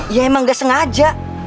ya emang gak sengaja